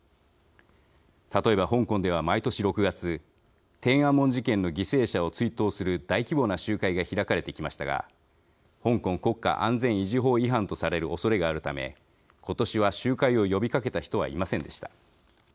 例えば、香港では毎年６月天安門事件の犠牲者を追悼する大規模な集会が開かれてきましたが香港国家安全維持法違反とされるおそれがあるためことしは、集会を呼びかけた人はいませんでした。